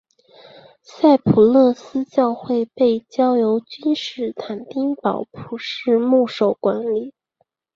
赛普勒斯教会被交由君士坦丁堡普世牧首管理。